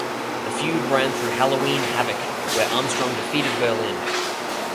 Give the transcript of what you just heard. The feud ran through Halloween Havoc, where Armstrong defeated Berlyn.